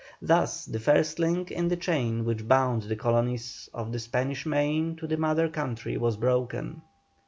Thus the first link in the chain which bound the colonies of the Spanish Main to the mother country was broken.